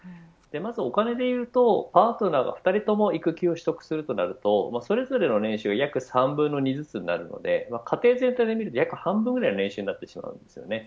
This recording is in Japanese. まずお金でいうとパートナーが２人とも育休を取得するとなるとそれぞれの年収が約３分の２ずつになるので家庭全体でみると約半分くらいの年収になってしまいます。